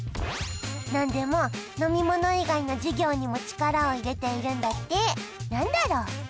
何でも飲み物以外の事業にも力を入れているんだって何だろう？